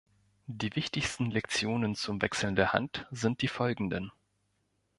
Die wichtigsten Lektionen zum Wechseln der Hand sind die folgenden.